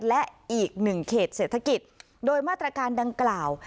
และอีกหนึ่งเขตเศรษฐกิจโดยมาตรการดังกล่าว